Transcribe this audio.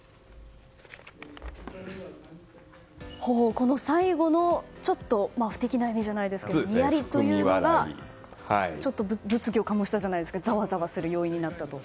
この最後の不敵な笑みじゃないですがニヤリというのが物議を醸したじゃないですがざわざわする要因になったと。